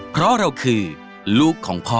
เพราะเราคือลูกของพ่อ